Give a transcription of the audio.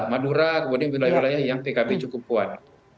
madura kemudian wilayah wilayah yang pkb cukup kuat